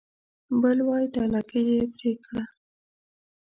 بل وای دا لکۍ يې پرې کړه